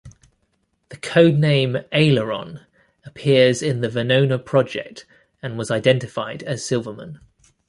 The code name "Aileron" appears in the Venona project and was identified as Silverman.